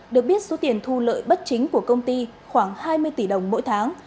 được biết số tiền thu lợi bất chính của công ty khoảng hai mươi tỷ đồng mỗi tháng